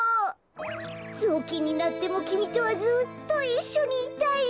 ぞうきんになってもきみとはずっといっしょにいたいよ。